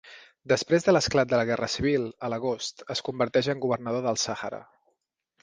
Després de l'esclat de la Guerra civil, a l'agost, es converteix en governador del Sàhara.